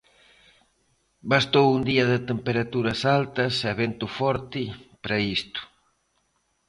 Bastou un día de temperaturas altas, e vento forte, para isto.